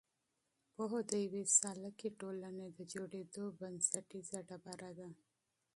پوهه د یوې سالکې ټولنې د جوړېدو بنسټیزه ډبره ده.